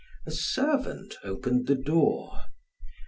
A servant opened the door.